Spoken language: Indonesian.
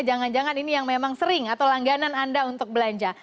jangan jangan ini yang memang sering atau langganan anda untuk belanja